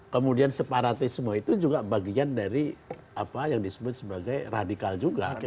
kemudian separatisme itu juga bagian dari apa yang disebut sebagai radikal juga